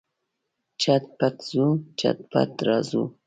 چټ پټ ځو، چټ پټ راځو.